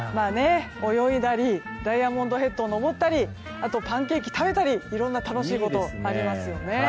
泳いだりダイヤモンドヘッドを登ったりあとパンケーキ食べたりいろいろ楽しいことありますね。